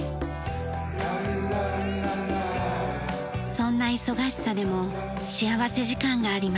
そんな忙しさでも幸福時間があります。